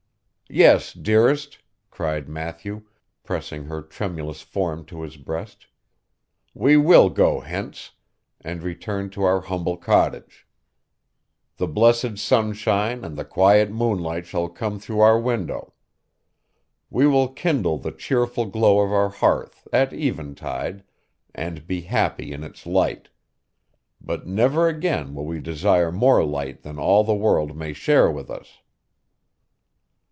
'Yes, dearest!' cried Matthew, pressing her tremulous form to his breast 'we will go hence, and return to our humble cottage. The blessed sunshine and the quiet moonlight shall come through our window. We will kindle the cheerful glow of our hearth, at eventide, and be happy in its light. But never again will we desire more light than all the world may share with us.